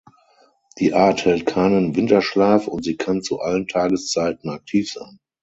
Die Art hält keinen Winterschlaf und sie kann zu allen Tageszeiten aktiv sein.